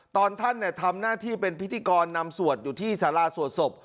ตอนท่านทำหน้าที่เป็นพิธีกรนำสวดอยู่ที่สาราสวดศพ